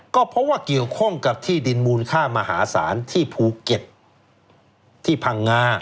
ก็เพราะว่าเกี่ยวข้องกับที่ดินมูลค่ามหาศาลที่ภูเก็ตที่พังงา